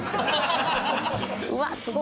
うわっすごっ！